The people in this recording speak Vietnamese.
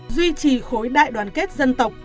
duy trì khối đại đoàn kết dân tộc